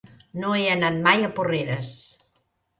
No he anat mai a Porreres.